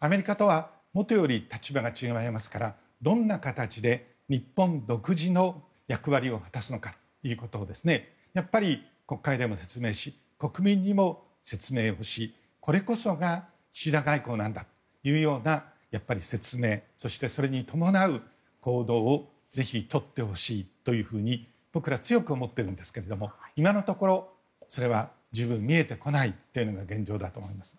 アメリカとはもとより立場が違いますからどんな形で日本独自の役割を果たすのかということをやっぱり、国会でも説明し国民にも説明をしこれこそが岸田外交なんだという説明とそして、それに伴う行動をぜひ取ってほしいと僕ら強く思っているんですが今のところ、それは十分見えてこないのが現状です。